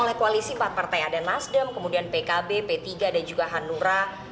oleh koalisi empat partai ada nasdem kemudian pkb p tiga dan juga hanura